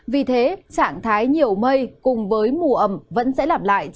vì thế trạng thái nhiều mây cùng với mù ẩm vẫn sẽ lặp lại